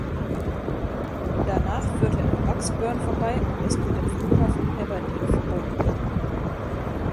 Danach führt er an Bucksburn vorbei und ist mit dem Flughafen Aberdeen verbunden.